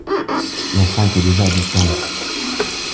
L’enfant était déjà à distance.